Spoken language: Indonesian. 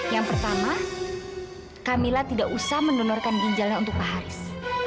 yang pertama camilla tidak usah mendonorkan ginjalnya untuk pak haris